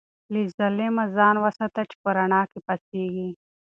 له ظلمه ځان وساته چې په رڼا کې پاڅېږې.